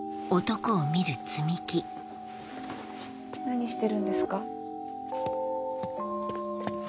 何してるんですか？